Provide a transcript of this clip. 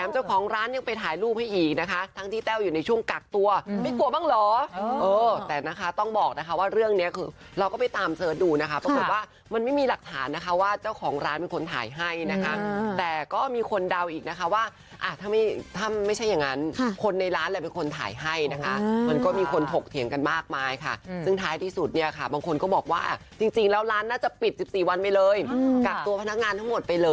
เจ้าของร้านเป็นคนถ่ายให้นะคะแต่ก็มีคนดาวอีกนะคะว่าถ้าไม่ถ้าไม่ใช่อย่างนั้นคนในร้านและเป็นคนถ่ายให้นะคะมันก็มีคนถกเถียงกันมากมายค่ะซึ่งท้ายที่สุดเนี่ยค่ะบางคนก็บอกว่าจริงแล้วร้านน่าจะปิด๑๔วันไปเลยกักตัวพ